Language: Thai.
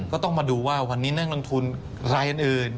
ก็ต้องมาดูว่าวันนี้นักลงทุนรายอื่น